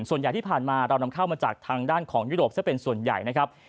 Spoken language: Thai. ส่วนใหญ่ที่ผ่านมาเรานำเข้ามาจากทางด้านของยุโรปซะเป็นส่วนใหญ่นะครับ